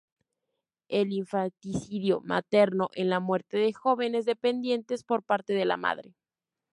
El infanticidio materno es la muerte de jóvenes dependientes por parte de la madre.